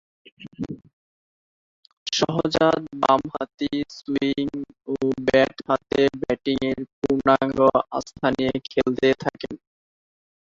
সহজাত বামহাতি সুইং ও ব্যাট হাতে ব্যাটিংয়ের পূর্ণাঙ্গ আস্থা নিয়ে খেলতে থাকেন।